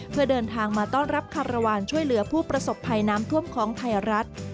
เพื่อเดินทางมาต้อนรับคารวาลช่วยเหลือผู้ประสบภัยน้ำท่วมของไทยรัฐ